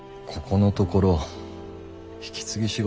ここのところ引き継ぎ